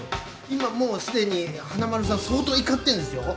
今もう既に華丸さん相当怒ってんですよ？